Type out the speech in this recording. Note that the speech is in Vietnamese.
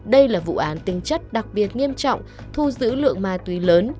đây là vụ án tinh chất đặc biệt nghiêm trọng thu giữ lượng ma túy lớn